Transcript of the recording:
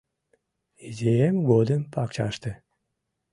Изиэм годым пакчаште